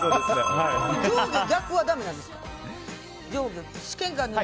上下逆はだめなんですか？